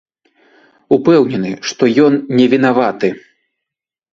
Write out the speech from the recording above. Упэўнены, што ён невінаваты.